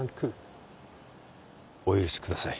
お許しください